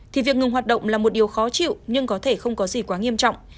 thì việc ngừng hoạt động là một điều khó chịu nhưng có thể không có gì quá nghiêm trọng